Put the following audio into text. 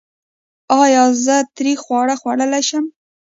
ایا زه تریخ خواړه خوړلی شم؟